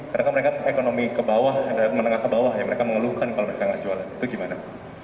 karena mereka ekonomi ke bawah menengah ke bawah ya mereka mengeluhkan kalau mereka gak jualan itu gimana